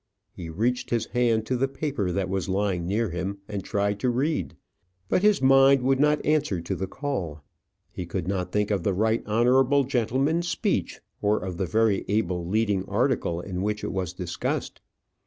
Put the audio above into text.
He reached his hand to the paper that was lying near him, and tried to read; but his mind would not answer to the call. He could not think of the right honourable gentleman's speech, or of the very able leading article in which it was discussed.